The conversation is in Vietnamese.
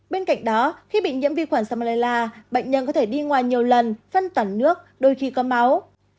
bên cạnh đó khi bị nhiễm vi khuẩn salmella bệnh nhân có thể đi ngoài nhiều lần phân tẩn nước đôi khi có máu